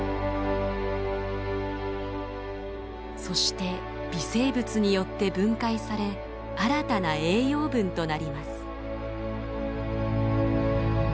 そして微生物によって分解され新たな栄養分となります。